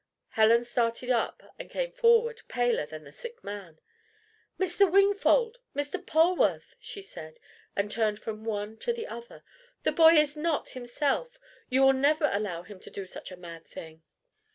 Helen started up and came forward, paler than the sick man. "Mr. Wingfold! Mr. Polwarth!" she said, and turned from the one to the other, "the boy is not himself. You will never allow him to do such a mad thing!"